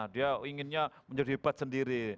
dia inginnya menjadi hebat sendiri